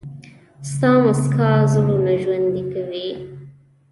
• ستا موسکا زړونه ژوندي کوي.